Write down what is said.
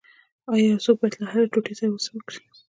ایا یو څوک باید له هرې ټوټې سره څه وکړي